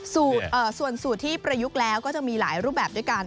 ส่วนสูตรที่ประยุกต์แล้วก็จะมีหลายรูปแบบด้วยกัน